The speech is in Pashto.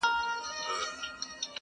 زې منمه ته صاحب د کُل اختیار یې,